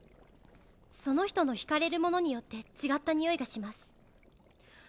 その人のひかれるものによって違ったにおいがします